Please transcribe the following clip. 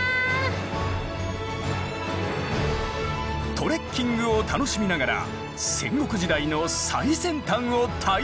トレッキングを楽しみながら戦国時代の最先端を体感。